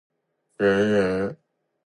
人人有权享有生命、自由和人身安全。